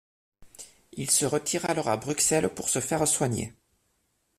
Il se retire alors à Bruxelles pour se faire soigner.